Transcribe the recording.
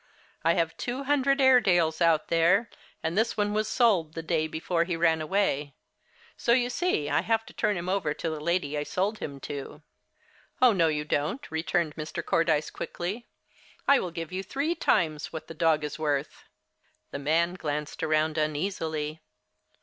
"I have two hundred Airedales out there, and this one was sold the day before he ran away. So you see I have to turn him over to the lady I sold him to." "Oh, no, you don't," returned Mr. Cordyce quickly. "I will give you three times what the dog is worth." The man glanced around uneasily.